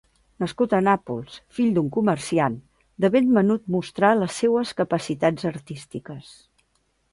Nascut a Nàpols, fill d'un comerciant, de ben menut mostrà les seues capacitats artístiques.